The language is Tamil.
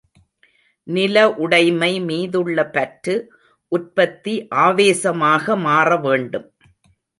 நிலஉடைமை மீதுள்ள பற்று, உற்பத்தி ஆவேசமாக மாற வேண்டும்.